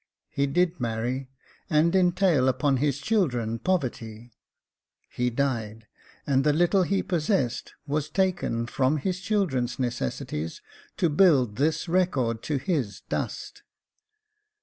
He did marry, and entail upon his children poverty. He died, and the little he possessed was taken from his children's necessities to build this record to his dust.